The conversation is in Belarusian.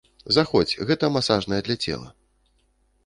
Заходзь, гэта масажная для цела.